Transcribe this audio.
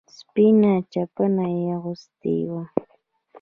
سپينه چپنه يې اغوستې وه.